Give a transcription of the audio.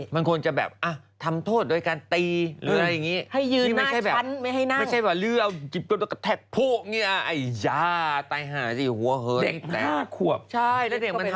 มันควรจะแบบอะทำโทษโดยการตีหรืออะไรอย่างนี้ให้ยืนหน้าฉันไม่ให้นั่ง